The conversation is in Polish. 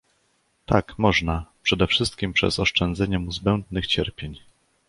Tak, można, przede wszystkim przez oszczędzenie mu zbędnych cierpień